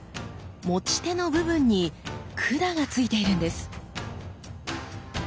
持ち手の部分に管がついているんです！